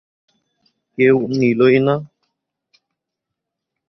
কেউ নিলোই না।